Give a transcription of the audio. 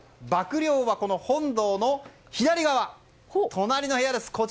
曝涼はこの本堂の左側、隣の部屋です。